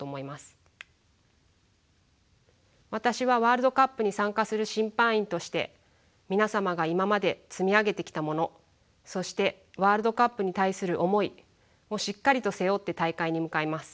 私はワールドカップに参加する審判員として皆様が今まで積み上げてきたものそしてワールドカップに対する思いをしっかりと背負って大会に向かいます。